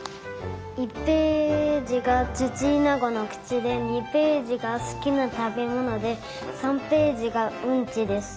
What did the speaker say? １ページがツチイナゴのくちで２ページがすきなたべもので３ページがうんちです。